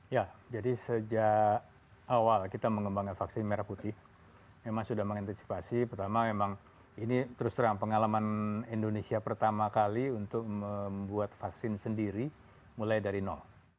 ya jadi sejak awal kita mengembangkan vaksin merah putih memang sudah mengantisipasi pertama memang ini terus terang pengalaman indonesia pertama kali untuk membuat vaksin sendiri mulai dari nol